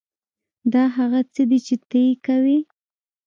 دا هغه څه دي چې ته یې کوې